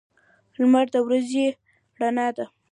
لمر د ورځې رڼا ده.